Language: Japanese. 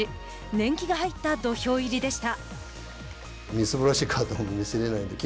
年季が入った土俵入りでした。